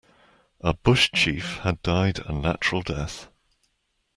A bush chief had died a natural death.